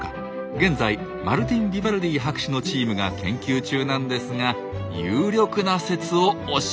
現在マルティン・ヴィヴァルディ博士のチームが研究中なんですが有力な説を教えてもらいました。